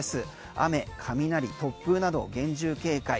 雨、雷、突風など厳重警戒。